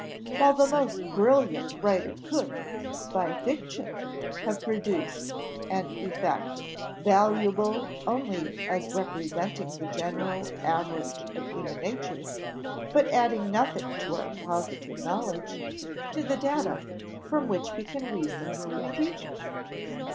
While the most brilliant writer could, by fiction, have produced an effect, valuable only as representing the general average of human nature, but adding nothing to our positive knowledge, to the data from which we can reason in future."